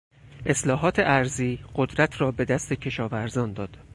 اصلاحات ارضی قدرت را به دست کشاورزان داد.